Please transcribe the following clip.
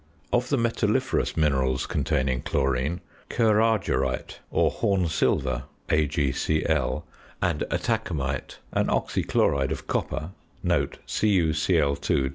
Of the metalliferous minerals containing chlorine, kerargyrite, or horn silver (AgCl), and atacamite, an oxychloride of copper (CuCl_.